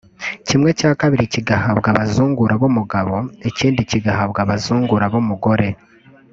kimwe cya kabiri kigahabwa abazungura b’umugabo ikindi kigahabwa abazungura b’umugore